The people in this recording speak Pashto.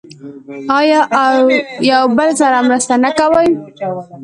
آیا او یو بل سره مرسته نه کوي؟